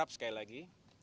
saya harap sekali lagi